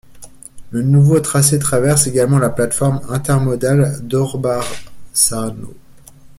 Le nouveau tracé traverse également la plateforme intermodale d'Orbassano.